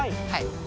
はい。